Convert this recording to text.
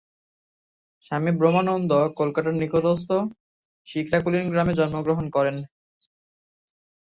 স্বামী ব্রহ্মানন্দ কলকাতার নিকটস্থ শিকরা-কুলীনগ্রামে জন্মগ্রহণ করেন।